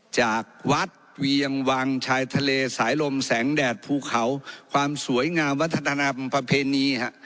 จากวัดเวียงวังชายทะเลสายลมแสงแดดภูเขาความสวยงามวัฒนธรรมประเพณี